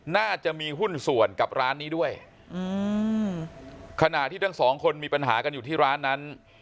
น่าจะมีหุ้นส่วนกับร้านนี้ด้วยอืมขณะที่ทั้งสองคนมีปัญหากันอยู่ที่ร้านนั้น